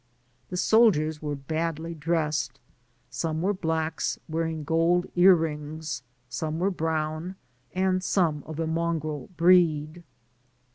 The soldiers were badly dressed ; some were blacks, wearing gold ear rings, some were brown, and some of a mongrel breed.